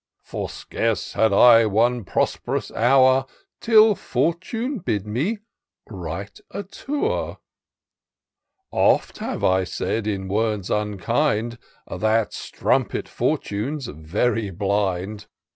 For scarce had I one prosp'rous hour Till Fortune bid me Write a Tour. Oft have I said in words unkind. That strumpet Fortune's very blind !